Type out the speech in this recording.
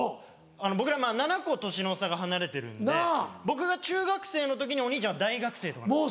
僕ら７コ年の差が離れてるんで僕が中学生の時にお兄ちゃん大学生とかなんです。